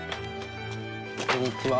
こんにちは。